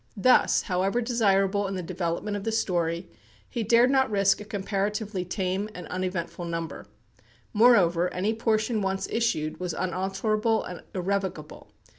Thus, however desirable in the development of the story, he dared not risk a comparatively tame and uneventful number. Moreover, any portion once issued was unalterable and irrevocable.